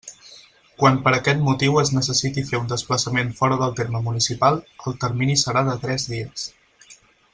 Quan per aquest motiu es necessiti fer un desplaçament fora del terme municipal, el termini serà de tres dies.